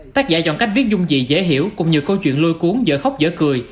tác giả chọn cách viết dung dị dễ hiểu cũng như câu chuyện lôi cuốn dở khóc dở cười